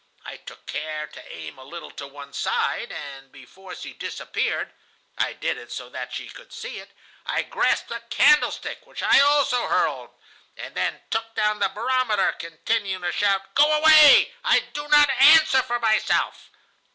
I took care to aim a little to one side, and, before she disappeared (I did it so that she could see it), I grasped a candlestick, which I also hurled, and then took down the barometer, continuing to shout: "'Go away! I do not answer for myself!